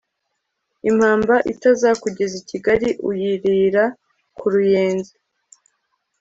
impamba itazakugeza i kigali uyirira ku ruyenzi